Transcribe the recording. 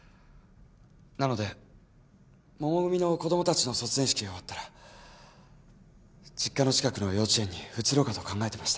なのでもも組の子供たちの卒園式が終わったら実家の近くの幼稚園に移ろうかと考えてました。